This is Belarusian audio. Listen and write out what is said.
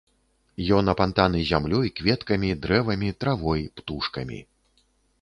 Ён апантаны зямлёй, кветкамі, дрэвамі, травой, птушкамі.